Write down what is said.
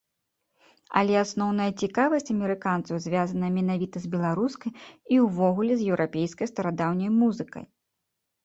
Але асноўная цікавасць амерыканцаў звязаная менавіта з беларускай і ўвогуле з еўрапейскай старадаўняй музыкай.